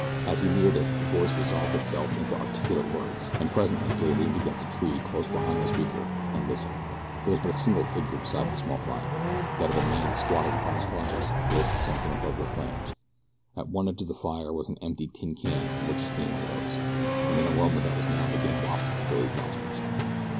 As he neared it the voice resolved itself into articulate words, and presently Billy leaned against a tree close behind the speaker and listened. There was but a single figure beside the small fire that of a man squatting upon his haunches roasting something above the flames. At one edge of the fire was an empty tin can from which steam arose, and an aroma that was now and again wafted to Billy's nostrils.